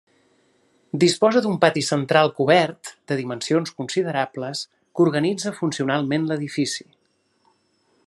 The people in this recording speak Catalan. Disposa d'un pati central cobert de dimensions considerables que organitza funcionalment l'edifici.